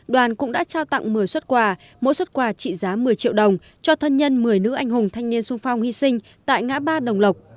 đoàn cũng đã trao tặng một mươi xuất quà mỗi xuất quà trị giá một mươi triệu đồng cho thân nhân một mươi nữ anh hùng thanh niên sung phong hy sinh tại ngã ba đồng lộc